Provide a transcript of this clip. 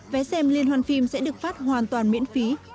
vé xem liên hoan phim sẽ được phát hoàn toàn miễn phí